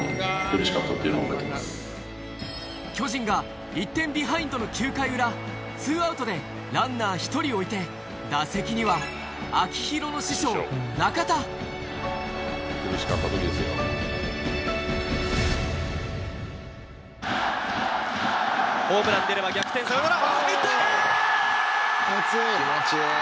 巨人が１点ビハインドの９回裏２アウトでランナー１人置いて打席にはホームラン出れば逆転サヨナラ。